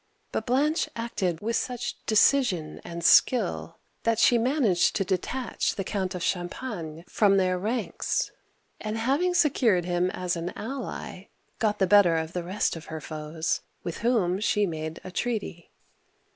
But Blanche acted with such decision and skill that she managed to detach the Count of Champagne (sham pan') from their ranks, and, having secured him as an ally, got the better of the rest of her foes, with whom she made a treaty.